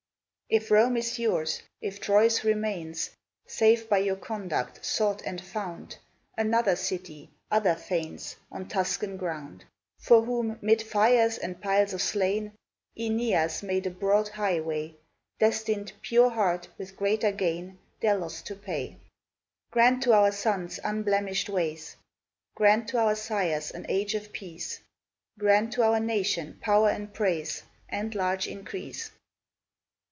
If Rome is yours, if Troy's remains, Safe by your conduct, sought and found Another city, other fanes On Tuscan ground, For whom, 'mid fires and piles of slain, AEneas made a broad highway, Destined, pure heart, with greater gain. Their loss to pay, Grant to our sons unblemish'd ways; Grant to our sires an age of peace; Grant to our nation power and praise, And large increase!